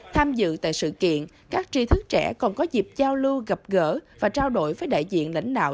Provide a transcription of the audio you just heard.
tham dự tại sự kiện các tri thức trẻ còn có dịp giao lưu gặp gỡ và trao đổi với đại diện lãnh đạo